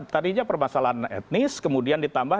tadinya permasalahan etnis kemudian ditambah